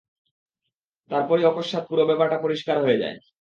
তারপরই অকস্মাৎ পুরো ব্যাপারটা পরিষ্কার হয়ে যায়।